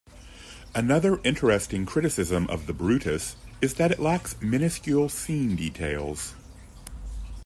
Another interesting criticism of the Brutus is that it lacks miniscule scene details.